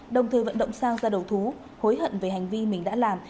đồng thời vận động sang ra đầu thú hối hận về hành vi mình đã làm